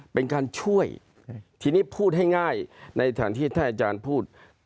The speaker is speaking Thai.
เป็นการช่วยทีนี้พูดให้ง่ายในฐานที่ท่านอาจารย์พูด